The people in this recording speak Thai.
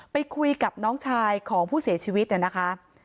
ไปคุยกับน้องชายของผู้เสียชีวิตเนี่ยนะคะ